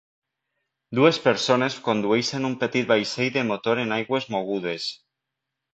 Dues persones condueixen un petit vaixell de motor en aigües mogudes.